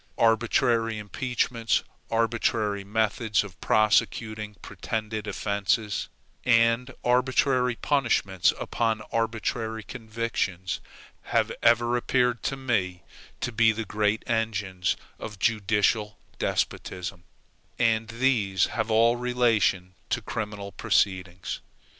Arbitrary impeachments, arbitrary methods of prosecuting pretended offenses, and arbitrary punishments upon arbitrary convictions, have ever appeared to me to be the great engines of judicial despotism; and these have all relation to criminal proceedings.